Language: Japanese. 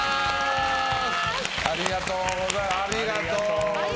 ありがとうございます。